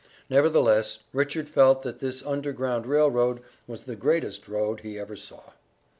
Nevertheless, Richard felt that this Underground Rail Road was the "greatest road he ever saw."